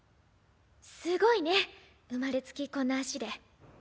すごいね生まれつきこんな足で。